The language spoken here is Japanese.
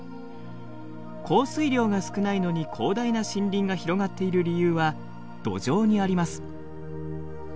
降水量が少ないのに広大な森林が広がっている理由は土壌にあります。